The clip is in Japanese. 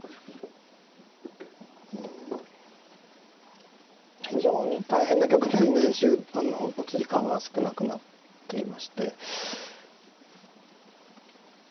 うん非常に大変な局面で持ち時間が少なくなっていまして。